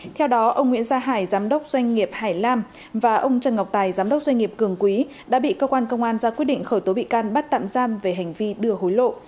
theo đó ông nguyễn gia hải giám đốc doanh nghiệp hải lam và ông trần ngọc tài giám đốc doanh nghiệp cường quý đã bị cơ quan công an ra quyết định khởi tố bị can bắt tạm giam về hành vi đưa hối lộ